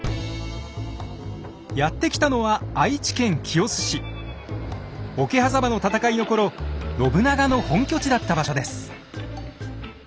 やって来たのは桶狭間の戦いの頃信長の本拠地だった場所です。